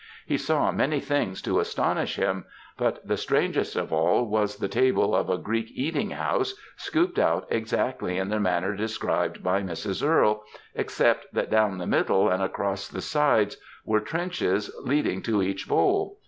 He saw many things to astonish him, but the strangest of all was the table of a Greek eating house, scooped out exactly in the manner described by Mrs. Earle, except that down the middle and across the sides were trenches leading to each bowl.